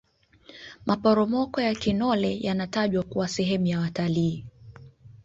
maporomoko ya kinole yanatajwa kuwa sehemu ya watalii